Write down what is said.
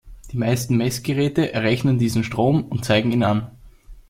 Die meisten Messgeräte errechnen diesen Strom und zeigen ihn an.